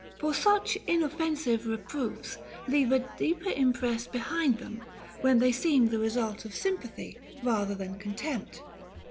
For such inoffensive reproofs leave a deeper impress behind them, when they seem the result of sympathy rather than contempt.